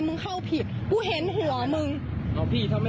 มึงไงเขาจะได้ดูว่ามึงเห็นอย่างนี้ไง